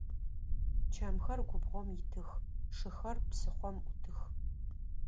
Чэмхэр губгъом итых, шыхэр псыхъом ӏутых.